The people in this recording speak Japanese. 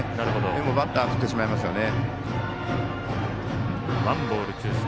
でも、バッター振ってしまいますよね。